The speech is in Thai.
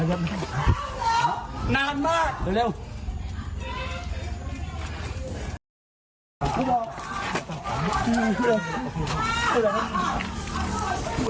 ครับครับครับ